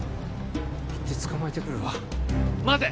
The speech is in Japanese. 行って捕まえてくるわ待て！